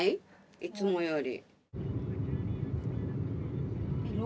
いつもより。